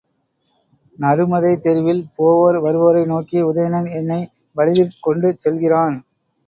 நருமதை தெருவில் போவோர் வருவோரை நோக்கி, உதயணன் என்னை வலிதிற் கொண்டுசெல்கிறான்.